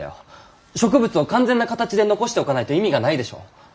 植物を完全な形で残しておかないと意味がないでしょ？